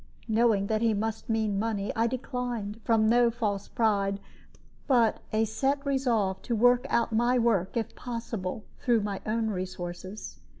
Knowing that he must mean money, I declined, from no false pride, but a set resolve to work out my work, if possible, through my own resources.